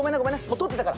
取ってたから。